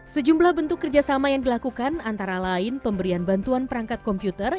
sejumlah bentuk kerjasama yang dilakukan antara lain pemberian bantuan perangkat komputer